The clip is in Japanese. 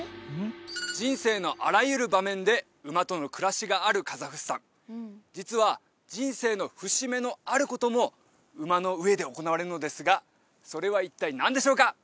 人生のあらゆる場面で馬との暮らしがあるカザフスタン実は人生の節目のあることも馬の上で行われるのですがそれは一体何でしょうか？